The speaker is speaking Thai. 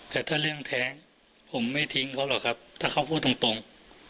แต่ถ้าเรื่องแท้งผมไม่ทิ้งเขาหรอกครับถ้าเขาพูดตรง